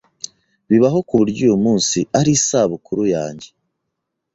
Bibaho kuburyo uyumunsi ari isabukuru yanjye.